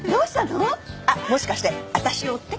あっもしかして私を追って？